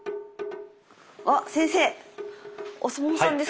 あっ先生お相撲さんですか？